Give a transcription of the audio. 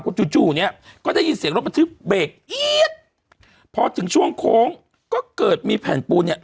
คุณจู่จู่เนี้ยก็ได้ยินเสียงรถบันทึกเบรกเอี๊ยดพอถึงช่วงโค้งก็เกิดมีแผ่นปูนเนี่ย